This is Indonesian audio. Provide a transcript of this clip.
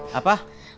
ya perse jakim